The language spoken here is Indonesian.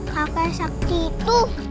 kakek sakti itu